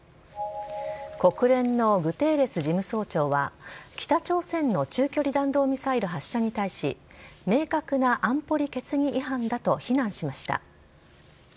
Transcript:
国連のグテーレス事務総長は、北朝鮮の中距離弾道ミサイル発射に対し、明確な安保理決議違反だと非難しました。